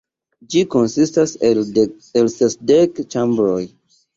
Ĝi konsistas el sesdek ĉambroj.